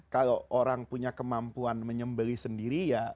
kalau orang punya kemampuan menyembeli sendiri ya